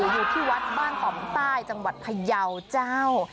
อยู่ที่วัดบ้านต่อมใต้จังหวัดพยาวเจ้า